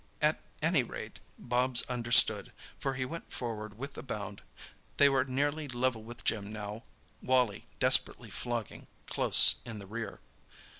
At any rate, Bobs understood, for he went forward with a bound. They were nearly level with Jim now—Wally, desperately flogging, close in the rear.